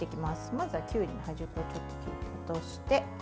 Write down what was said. まずは、きゅうりの端っこをちょっと切り落として。